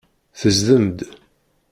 Tezdem-d.